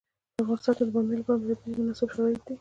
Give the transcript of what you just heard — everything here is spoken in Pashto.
په افغانستان کې د بامیان لپاره طبیعي شرایط مناسب دي.